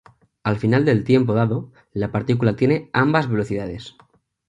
Al final del tiempo dado, la partícula tiene "ambas" velocidades.